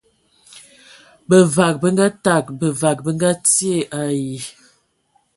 Bevag be ngaateg, bevag be ngaatie ai.